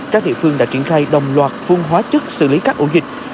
các địa phương đã triển khai đồng loạt phun hóa chất xử lý các ổ dịch